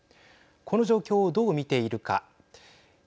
この状況をどう見ているか。